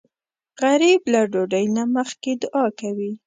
غریب له ډوډۍ نه مخکې دعا کوي